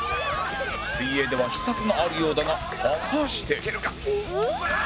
水泳では秘策があるようだが果たして